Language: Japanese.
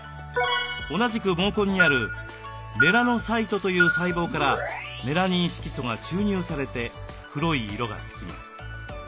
同じく毛根にあるメラノサイトという細胞からメラニン色素が注入されて黒い色がつきます。